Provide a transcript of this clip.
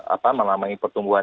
apa menamangi pertumbuhan